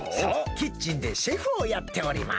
キッチンでシェフをやっております。